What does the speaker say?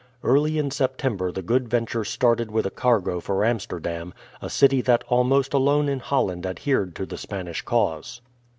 Early in September the Good Venture started with a cargo for Amsterdam, a city that almost alone in Holland adhered to the Spanish cause.